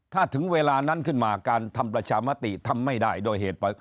ถ้าถึงเวลานั้นขึ้นมาการทำประชามติทำไม่ได้ด้วยเหตุ